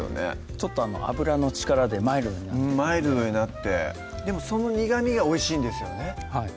ちょっと油の力でマイルドになってマイルドになってでもその苦みがおいしいんですよね